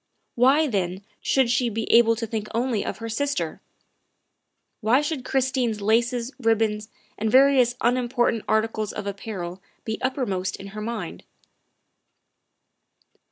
Why, then, should she be able to think only of her sister? Why should Chris tine's laces, ribbons, and various unimportant articles of apparel be uppermost in her mind?